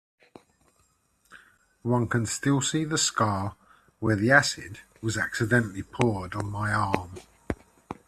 One can still see the scar where the acid was accidentally poured on my arm.